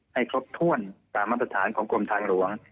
ให้ครบถ้วนตามมาตรฐานของกรมทางหลวง